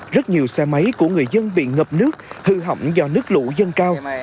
rất nhiều xe máy của người dân bị ngập nước hư hỏng do nước lũ dân cao